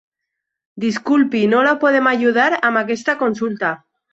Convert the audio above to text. Disculpi, no la podem ajudar amb aquesta consulta.